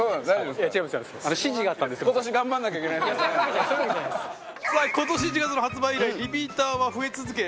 カズレーザー：さあ、今年１月の発売以来、リピーターは増え続け